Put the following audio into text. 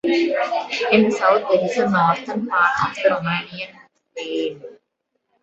In the south there is the northern part of the Romanian Plain.